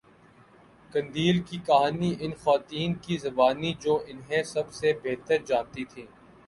قندیل کی کہانی ان خواتین کی زبانی جو انہیں سب سےبہتر جانتی تھیں